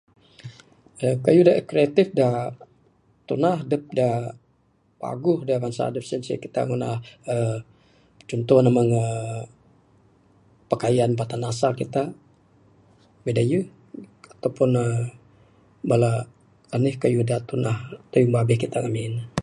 uhh Kayuh da kreatif da tunah adep da paguh da bangsa adep sien ceh kita ngunah uhh contoh ne meng uhh pikaian batan asal kita bidayuh ataupun uhh bala anih kayuh da tunah tayung babeh kita ngamin.